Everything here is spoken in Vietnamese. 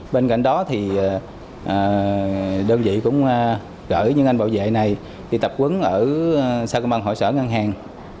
bên cạnh đó thì đơn vị cũng gửi những anh bảo vệ này đi tập quấn ở sau công an hội sở ngân hàng